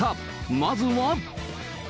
まずは。